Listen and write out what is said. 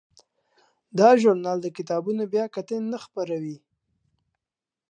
دا ژورنال د کتابونو بیاکتنې نه خپروي.